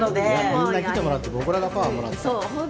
みんな来てもらって僕らがパワーをもらってた。